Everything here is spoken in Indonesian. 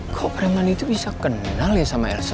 kok preman itu bisa kenal ya sama elsa